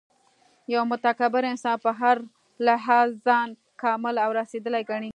یو متکبر انسان په هر لحاظ ځان کامل او رسېدلی ګڼي